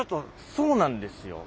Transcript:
そうなんですよ！